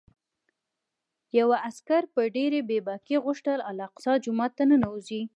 یوه عسکر په ډېرې بې باکۍ غوښتل الاقصی جومات ته ننوځي.